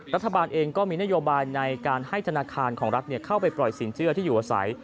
รัฐบาลเองก็มีนโยบายในการให้ธนาคารของรัฐเข้าไปปล่อยสินเชื่อที่อยู่อาศัย